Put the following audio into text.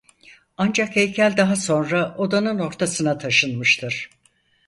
Ancak heykel daha sonra odanın ortasına taşınmıştır.